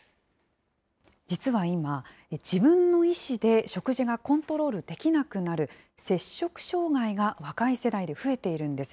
実は今、自分の意志で食事がコントロールできなくなる、摂食障害が若い世代で増えているんです。